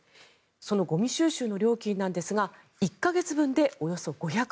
そのゴミ収集の料金ですが１か月分でおよそ５００円。